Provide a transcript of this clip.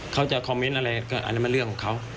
เขาจะคอมเมนต์อะไรก็อันนั้นมันเรื่องของเขา